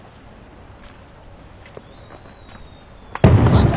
あっ！